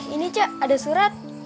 ini cok ada surat